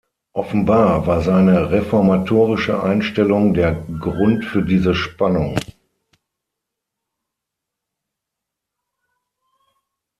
Offenbar war seine reformatorische Einstellung der Grund für diese Spannung.